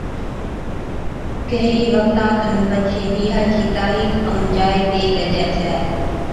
ڪھين وقتا کن پڇي بِيھا چِي تاريخ ائُون جاءِ طئي ڪجي ڇَي